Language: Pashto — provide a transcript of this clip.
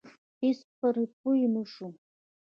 هېڅ پرې پوه نشوم.